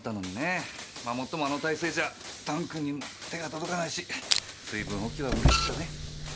もっともあの体勢じゃタンクにも手が届かないし水分補給は無理っすかね。